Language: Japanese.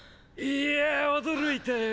いやぁ驚いたよ。